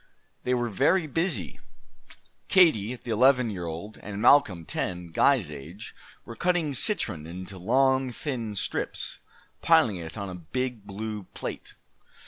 They were very busy. Katie, the eleven year old, and Malcolm, ten, Guy's age, were cutting citron into long, thin strips, piling it on a big blue plate.